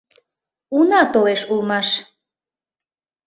— Уна толеш улмаш...